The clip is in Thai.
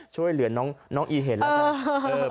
ช่วยเหลือน้องอีเห็นแล้วกัน